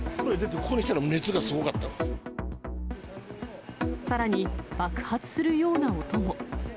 外に出て、さらに、爆発するような音も。